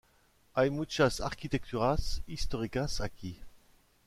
Hay muchas arquitecturas históricas aquí.